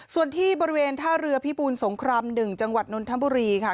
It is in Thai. ส่วนที่บริเวณท่าเรือพิบูลสงคราม๑จังหวัดนนทบุรีค่ะ